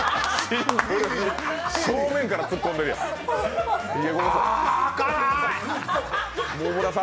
正面からツッコんでるやん。